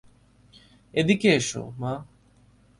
এদিকে এসো, মা।